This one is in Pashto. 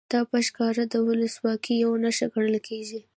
دا په ښکاره د ولسواکۍ یوه نښه ګڼل کېږي.